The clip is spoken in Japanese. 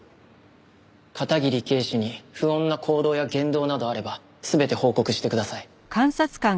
片桐警視に不穏な行動や言動などあれば全て報告してください。